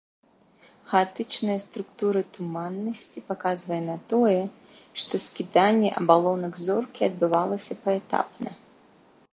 Хаатычная структура туманнасці паказвае на тое, што скіданне абалонак зоркі адбывалася паэтапна.